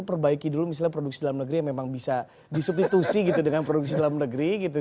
perbaiki dulu misalnya produksi dalam negeri yang memang bisa disubstitusi gitu dengan produksi dalam negeri gitu